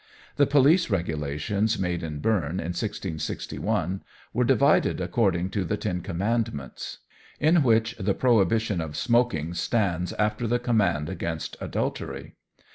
The police regulations made in Berne in 1661 were divided according to the Ten Commandments, in which the prohibition of smoking stands after the command against adultery.